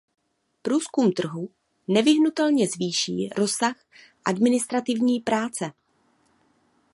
Průzkum trhu nevyhnutelně zvýší rozsah administrativní práce.